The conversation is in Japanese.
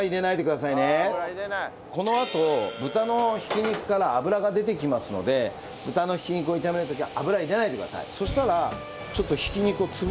このあと豚のひき肉から脂が出てきますので豚のひき肉を炒める時は油入れないでください。